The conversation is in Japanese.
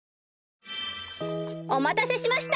おまたせしました！